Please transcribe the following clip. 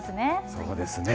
そうですね。